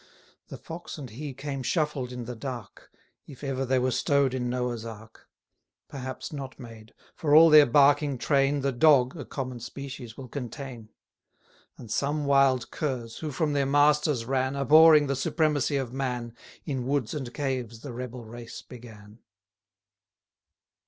The Fox and he came shuffled in the dark, 190 If ever they were stow'd in Noah's ark: Perhaps not made; for all their barking train The Dog (a common species) will contain. And some wild curs, who from their masters ran, Abhorring the supremacy of man, In woods and caves the rebel race began.